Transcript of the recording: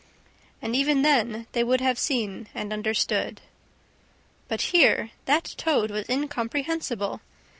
And even then they would have seen ... and understood ... But here that toad was incomprehensible!